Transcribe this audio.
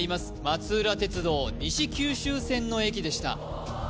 松浦鉄道西九州線の駅でした